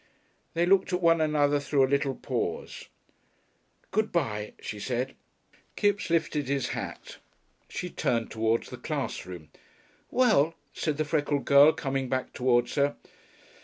They looked at one another through a little pause. "Good bye," she said. Kipps lifted his hat. She turned towards the class room. "Well?" said the freckled girl, coming back towards her.